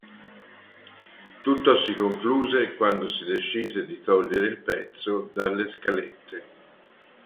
Tutto si concluse quando si decise di togliere il pezzo dalle scalette.